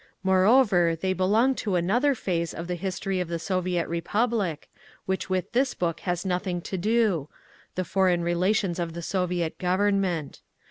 Moreover they belong to another phase of the history of the Soviet Republic, with which this book has nothing to do—the foreign relations of the Soviet Government.